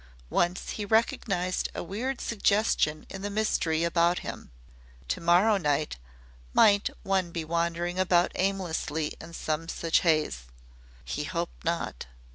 Once he recognized a weird suggestion in the mystery about him. To morrow might one be wandering about aimlessly in some such haze. He hoped not.